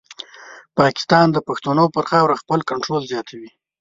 پاکستان د پښتنو پر خاوره خپل کنټرول زیاتوي.